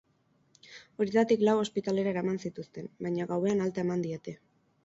Horietatik lau ospitalera eraman zituzten baina gauean alta eman diete.